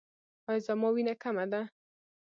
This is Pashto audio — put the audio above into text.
ایا زما وینه کمه ده؟